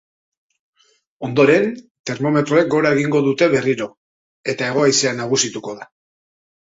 Ondoren, termometroek gora egingo dute berriro eta hego-haizea nagusituko da.